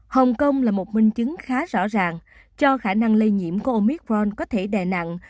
hồng kông là một minh chứng khá rõ ràng cho khả năng lây nhiễm của omicron có thể đè nặng